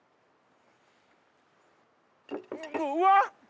うわっ！